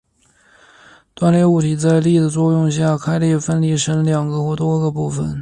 断裂指物体在力的作用下开裂分离成两个或多个部分。